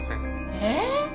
えっ？